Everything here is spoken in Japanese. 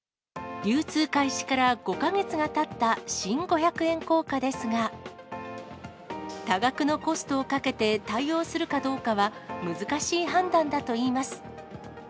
流通開始から５か月がたった新五百円硬貨ですが、多額のコストをかけて対応するかどうかは、難しい判断だといいます。